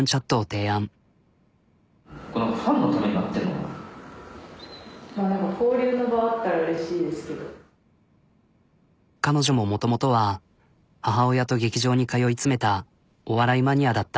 いや何か彼女ももともとは母親と劇場に通い詰めたお笑いマニアだった。